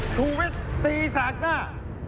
ชูวิดตีแสกหน้า